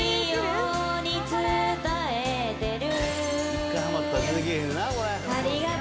１回ハマったら出てけえへんな